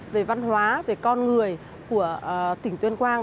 về văn hóa về con người của tỉnh tuyên quang